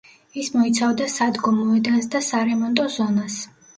ის მოიცავდა სადგომ მოედანს და სარემონტო ზონას.